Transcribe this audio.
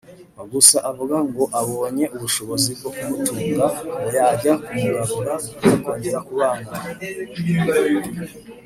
gusa avuga ko ngo abonye ubushobozi bwo kumutunga ngo yajya kumugarura bakongera kubana